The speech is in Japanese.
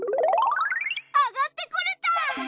上がってこれた！